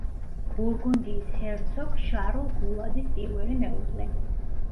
ბურგუნდიის ჰერცოგ შარლ გულადის პირველი მეუღლე.